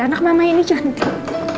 anak mama ini cantik